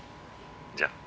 じゃあ。